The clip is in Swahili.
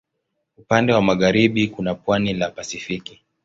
Upande wa magharibi kuna pwani la Pasifiki.